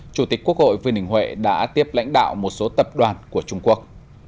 chủ tịch quốc hội vương đình huệ đã tiếp lãnh đạo một số tập đoàn của trung quốc